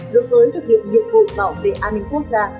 đối với thực hiện nhiệm vụ bảo vệ an ninh quốc gia